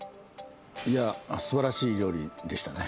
いやすばらしい料理でしたね